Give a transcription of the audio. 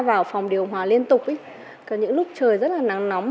vào phòng điều hòa liên tục có những lúc trời rất là nắng nóng